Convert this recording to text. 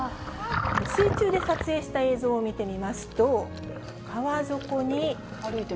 水中で撮影した映像を見てみますと、川底に。